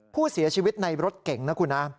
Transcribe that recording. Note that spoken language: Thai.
ผู้เสียชีวิตในรถเก่งนะคุณนะ